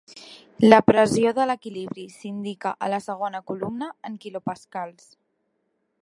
La pressió de l'equilibri s'indica a la segona columna en kPa.